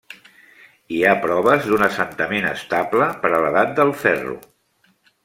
Hi ha proves d'un assentament estable per a l'Edat del Ferro.